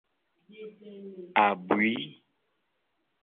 Abui.